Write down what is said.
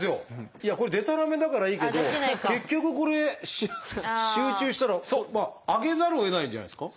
いやこれでたらめだからいいけど結局これ集中したら上げざるをえないんじゃないですか。